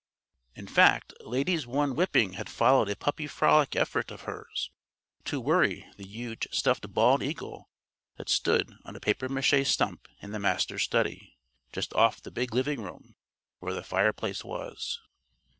In fact, Lady's one whipping had followed a puppy frolic effort of hers to "worry" the huge stuffed bald eagle that stood on a papier maché stump in the Master's study, just off the big living room where the fireplace was.